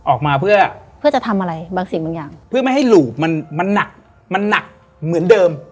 ออกมาเพื่อเพื่อจะทำอะไรบางสิ่งบางอย่างเพื่อไม่ให้หลูบมันมันหนักมันหนักเหมือนเดิม